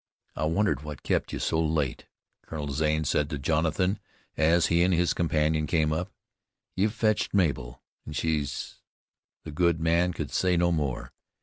"I wondered what kept you so late," Colonel Zane said to Jonathan, as he and his companion came up. "You've fetched Mabel, and she's ". The good man could say no more.